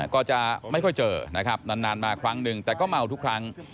ก็จะไม่ค่อยเจอนะครับนานมาครั้งหนึ่งแต่ก็เมาทุกครั้ง